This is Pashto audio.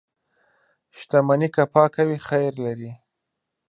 • شتمني که پاکه وي، خیر لري.